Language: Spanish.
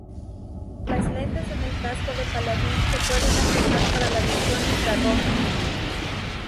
Las lentes en el casco de Paladín se pueden ajustar para la visión infrarroja.